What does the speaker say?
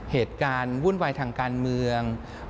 เหตุการณ์วุ่นวายทางการเมือง